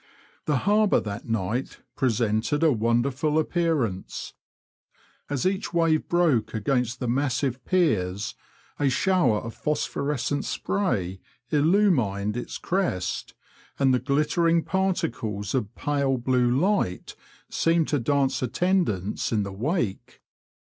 The Harbour that night presented a wonderful appearance. As each wave broke against the massive piers a shower of phosphorescent spray illumined its crest, and the glittering particles of pale blue light seemed to dance attendance in the wake.